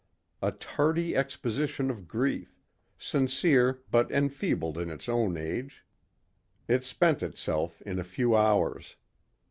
A tardy exhibition of grief, sincere but enfeebled by its own age, it spent itself in a few hours.